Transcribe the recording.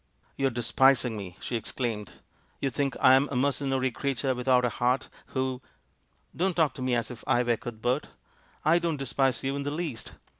"You are despising me," she exclaimed; "you think I'm a mercenary creature without a heart, who " "Don't talk to me as if I were Cuthbert. I don't despise you in the least.